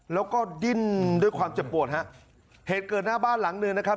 แล้วก็ดิ้นด้วยความเจ็บปวดฮะเหตุเกิดหน้าบ้านหลังหนึ่งนะครับ